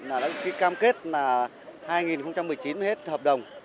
đã được ký cam kết là hai nghìn một mươi chín mới hết hợp đồng